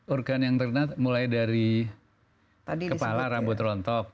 organ yang terkena mulai dari kepala rambut rontok